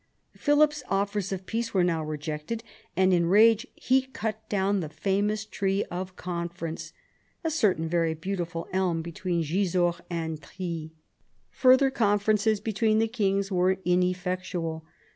Philip's offers of peace were now rejected, and in rage he cut down the famous tree of conference, "a certain very beautiful elm between Gisors and Trye." Further conferences between the kings were in effectual.